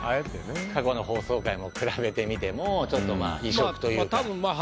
過去の放送回も比べてみてもちょっとまぁ異色というか。